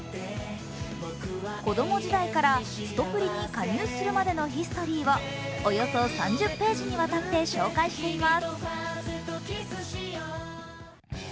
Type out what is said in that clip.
子供時代から、すとぷりに加入するまでのヒストリーをおよそ３０ページにわたって紹介しています。